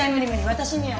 私には。